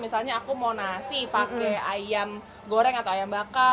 misalnya aku mau nasi pakai ayam goreng atau ayam bakar